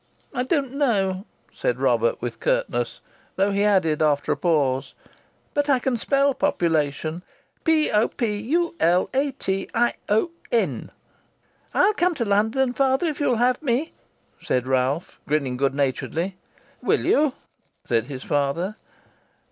"I don't know," said Robert, with curtness; though he added after a pause, "But I can spell population p,o,p,u,l,a,t,i,o,n." "I'll come to London, father, if you'll have me," said Ralph, grinning good naturedly. "Will you!" said his father.